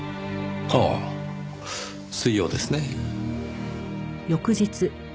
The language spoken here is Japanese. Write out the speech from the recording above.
ああ水曜ですね。